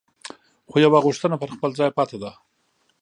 خو یوه غوښتنه پر خپل ځای پاتې ده.